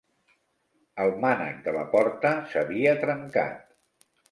El mànec de la porta s'havia trencat.